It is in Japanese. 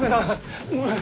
・ごめん。